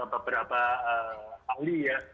beberapa kali ya